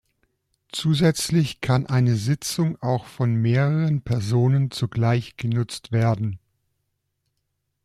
Zusätzlich kann eine Sitzung auch von mehreren Personen zugleich genutzt werden.